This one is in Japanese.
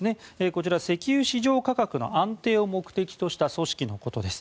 こちらは石油市場価格の安定を目的とした組織のことです。